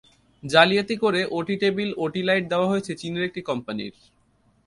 জালিয়াতি করে OT table, OT light দেওয়া হয়েছে চীনের একটি কোম্পানির।